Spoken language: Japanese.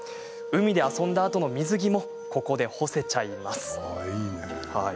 海で遊んだあとの水着もここで干せちゃいます。